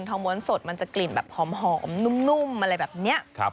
ม้วนสดมันจะกลิ่นแบบหอมนุ่มอะไรแบบนี้